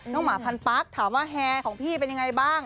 หมาพันปั๊กถามว่าแฮของพี่เป็นยังไงบ้าง